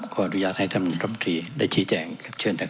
ขออนุญาตให้ท่านบั๔๑ได้ชี้แจงกับเชิญแถม